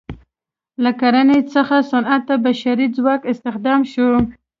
له کرنې څخه صنعت ته بشري ځواک استخدام شو.